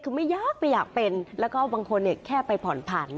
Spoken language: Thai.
คือไม่ยากไม่อยากเป็นแล้วก็บางคนแค่ไปผ่อนผัน